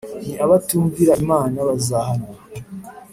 ni abatumvira Imana bazahanwa